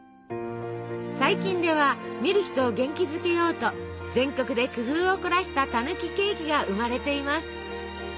最近では見る人を元気づけようと全国で工夫を凝らしたたぬきケーキが生まれています。